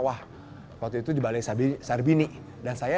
walaupun sudah diserahin agak kurang